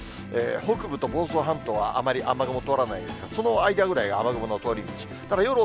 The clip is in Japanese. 北部と房総半島はあまり雨雲通らないですが、その間ぐらい、雨雲の通り道。